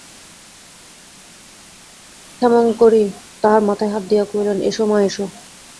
ক্ষেমংকরী তাহার মাথায় হাত দিয়া কহিলেন, এসো মা, এসো।